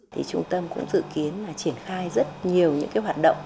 trung tâm cũng dự kiến triển khai rất nhiều hoạt động